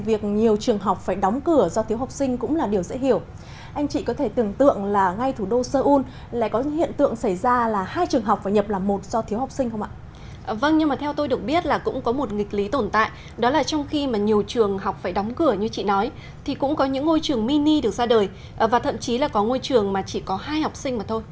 và thậm chí là có ngôi trường mà chỉ có hai học sinh mà thôi